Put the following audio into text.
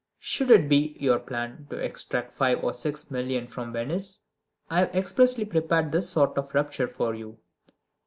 Should it be your plan to extract five or six millions from Venice, I have expressly prepared this sort of rupture for you.